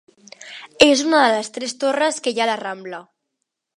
És una de les tres torres que hi ha a la Rambla.